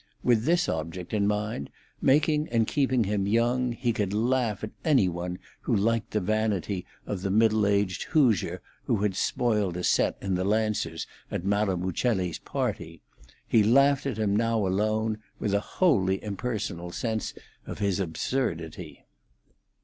With this object in his mind, making and keeping him young, he could laugh with any one who liked at the vanity of the middle aged Hoosier who had spoiled a set in the Lancers at Madame Uccelli's party; he laughed at him now alone, with a wholly impersonal sense of his absurdity.